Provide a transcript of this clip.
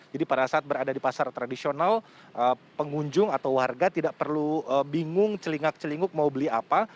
jadi pada saat berada di pasar tradisional pengunjung atau warga tidak perlu bingung celingak celinguk mau beli apa